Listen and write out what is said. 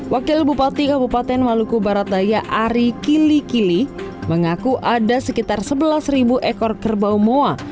wakil bupati kabupaten maluku barat daya ari kili kili mengaku ada sekitar sebelas ekor kerbau moa